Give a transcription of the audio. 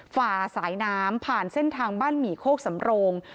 ฝ่าสายน้ำผ่านเส้นทางบ้านหมี่โคกสำโรง